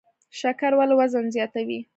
شکر ولې وزن زیاتوي؟